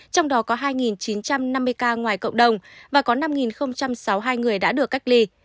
trong đó có hai chín trăm năm mươi ca ngoài cộng đồng và có năm sáu mươi hai người đã được cách ly